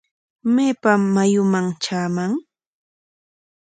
¿Maypam mayuman traaman?